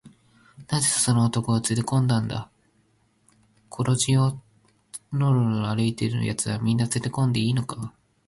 「なぜその男をつれこんだんだ？小路をのろのろ歩いているやつは、みんなつれこんでいいのか？」